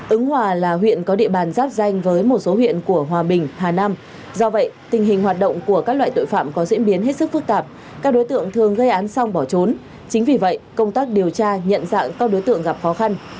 ứng hòa là huyện có địa bàn giáp danh với một số huyện của hòa bình hà nam do vậy tình hình hoạt động của các loại tội phạm có diễn biến hết sức phức tạp các đối tượng thường gây án xong bỏ trốn chính vì vậy công tác điều tra nhận dạng các đối tượng gặp khó khăn